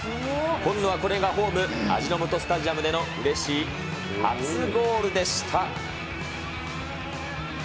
紺野はこれがホーム、味の素スタジアムでのうれしい初ゴールでした。